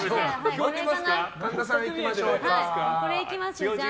神田さん、行きましょうかー！